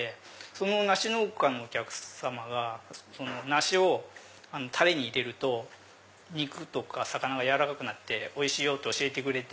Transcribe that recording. その梨農家のお客さまが梨をタレに入れると肉とか魚が軟らかくなっておいしいよ！って教えてくれて。